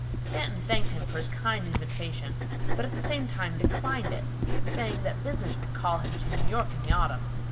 Stanton thanked him for his kind invitation, but at the same time declined it, saying that business would call him to New York in the autumn.